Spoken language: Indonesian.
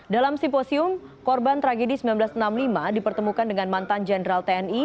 dalam simposium korban tragedi seribu sembilan ratus enam puluh lima dipertemukan dengan mantan jenderal tni